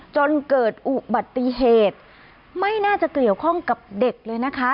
จนเกิดอุบัติเหตุไม่น่าจะเกี่ยวข้องกับเด็กเลยนะคะ